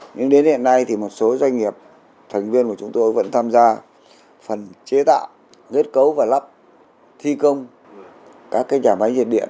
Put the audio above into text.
nhưng đến hiện nay thì một số doanh nghiệp thành viên của chúng tôi vẫn tham gia phần chế tạo kết cấu và lắp thi công các nhà máy nhiệt điện